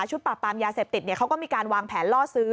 ปราบปรามยาเสพติดเขาก็มีการวางแผนล่อซื้อ